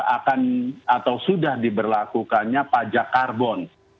akan atau sudah diberlakukannya pajak karbon